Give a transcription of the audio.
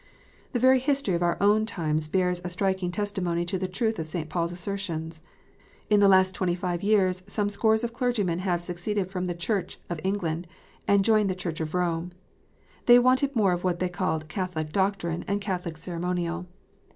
The very history of our own times bears a striking testimony to the truth of St. Paul s assertion. In the last twenty five years some scores of clergymen have seceded from the Church of England, and joined the Church of Rome. They wanted more of what they called Catholic doctrine and Catholic ceremonial.